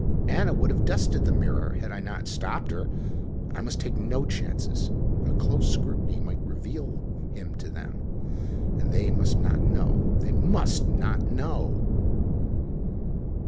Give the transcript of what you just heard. Anna would have dusted the mirror had I not stopped her. I must take no chances. A close scrutiny might reveal him to them, and they must not know they must not know!